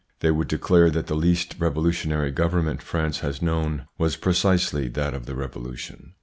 They would declare that the least revolutionary government France has known was precisely that of the Revolution.